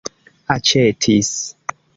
aĉetis